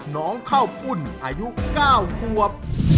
น้องข้าวปุ้นอายุ๙ขวบ